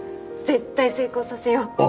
絶対成功させよう。